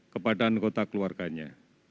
kepada anggota keluarganya